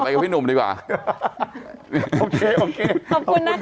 โอเคขอบคุณนะคับ